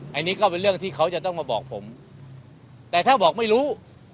อันนี้ก็เป็นเรื่องที่เขาจะต้องมาบอกผมแต่ถ้าบอกไม่รู้